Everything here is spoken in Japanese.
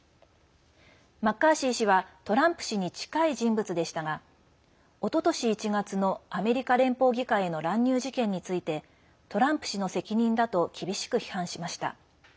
マッカーシー氏はトランプ氏に近い人物でしたがおととし１月のアメリカ連邦議会への乱入事件についてトランプ氏の責任だと厳しく批判しました。